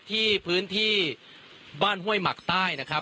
ตอนนี้ผมอยู่ในพื้นที่อำเภอโขงเจียมจังหวัดอุบลราชธานีนะครับ